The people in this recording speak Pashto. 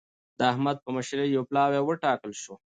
د احمد په مشرۍ يو پلاوی وټاکل شو.